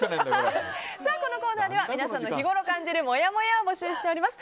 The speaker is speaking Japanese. このコーナーでは皆さんが日ごろ感じるもやもやを募集しております。